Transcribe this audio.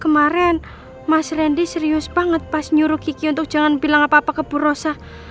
kemarin mas randy serius banget pas nyuruh kiki untuk jangan bilang apa apa ke purosa